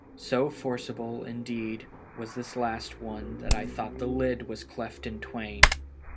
So forcible, indeed, was this last one that I thought the lid was cleft in twain.